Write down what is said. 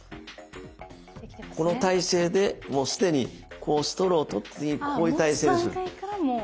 この体勢でもう既にストローを取ってこういう体勢です。